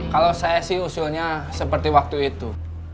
kalau saya sih usulnya seperti waktu itu